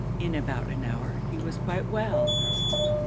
In about an hour he was quite well.